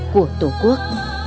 của tổ quốc